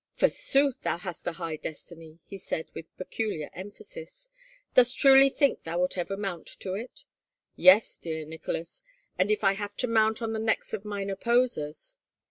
" Forsooth, thou hast a high destiny," he said with peculiar emphasis. " Dost truly think thou wilt ever mount to it?" " Yes, dear Nicholas, if I have to mount on the necks of mine opposers.